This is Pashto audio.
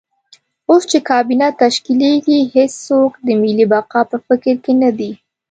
اوس چې کابینه تشکیلېږي هېڅوک د ملي بقا په فکر کې نه دي.